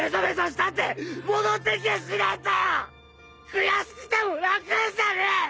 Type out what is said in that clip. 悔しくても泣くんじゃねえ！！